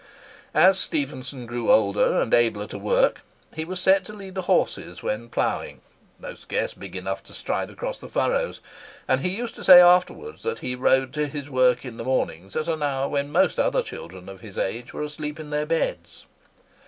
As Stephenson grew older and abler to work, he was set to lead the horses when ploughing, though scarce big enough to stride across the furrows; and he used afterwards to say that he rode to his work in the mornings at an hour when most other children of his age were asleep in their beds.